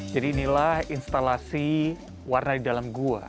jadi inilah instalasi warna di dalam gua